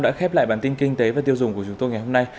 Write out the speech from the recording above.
đã khép lại bản tin kinh tế và tiêu dùng của chúng tôi ngày hôm nay